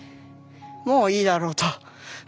もういいだろうと。